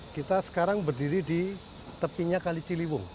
kita sekarang berdiri di tepinya kali ciliwung